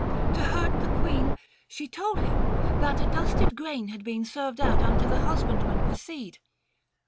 To hurt the queen She told him that adusted grain had been Served out unto the husbandmen for seed.